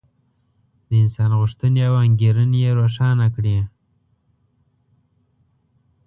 د انسان غوښتنې او انګېرنې یې روښانه کړې.